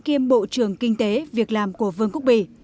kiêm bộ trưởng kinh tế việc làm của vương quốc bỉ